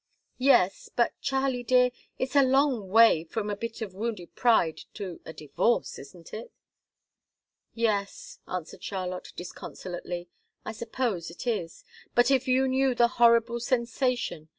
"Yes but, Charlie dear, it's a long way from a bit of wounded pride to a divorce isn't it?" "Yes," answered Charlotte, disconsolately. "I suppose it is. But if you knew the horrible sensation!